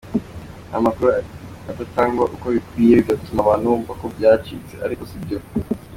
Ni amakuru adatangwa uko bikwiye bigatuma abantu bumva ko byacitse ariko sibyo.